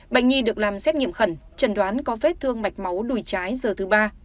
bệnh nhi được làm xét nghiệm khẩn trần đoán có vết thương mạch máu đùi trái giờ thứ ba